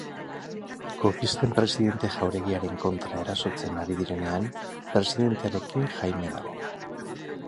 Kolpisten Presidente jauregiaren kontra erasotzen ari direnean, presidentearekin Jaime dago.